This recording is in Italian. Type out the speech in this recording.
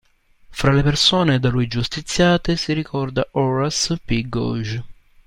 Fra le persone da lui giustiziate si ricorda Horace P. Gauge.